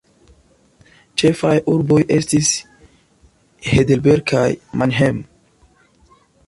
Ĉefaj urboj estis Heidelberg kaj Mannheim.